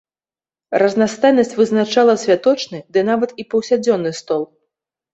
Разнастайнасць вызначала святочны, ды нават і паўсядзённы стол.